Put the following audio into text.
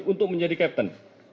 untuk menjadi kapten